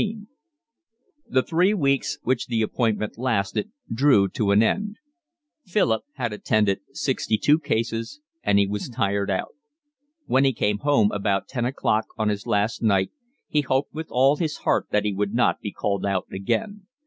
CXIV The three weeks which the appointment lasted drew to an end. Philip had attended sixty two cases, and he was tired out. When he came home about ten o'clock on his last night he hoped with all his heart that he would not be called out again.